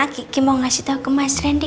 kiki mau ngasih tahu ke mas randy